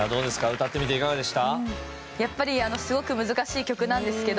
歌ってみていかがでした？